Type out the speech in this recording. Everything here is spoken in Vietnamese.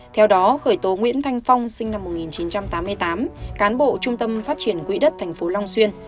theo đó khởi tố nguyễn thanh phong sinh năm một nghìn chín trăm tám mươi tám cán bộ trung tâm phát triển quỹ đất tp long xuyên